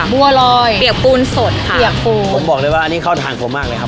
บัวลอยเปียกปูนสดค่ะเปียกปูนผมบอกเลยว่าอันนี้เข้าทางตัวมากเลยครับ